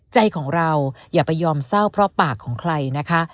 ใจของเราอย่าไปยอมเศร้าเพราะปากของใครนะคะ